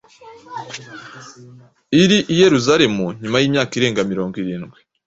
iri i Yeruzalemu, nyuma y'imyaka irenga mirongo irindwi